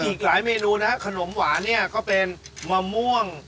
อีกหลายเมนูนะครับขนมหวานเนี่ยก็เป็นมะม่วง